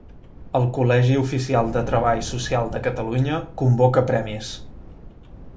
El Col·legi Oficial de Treball Social de Catalunya convoca premis.